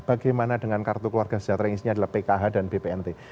bagaimana dengan kartu keluarga sejahtera yang isinya adalah pkh dan bpnt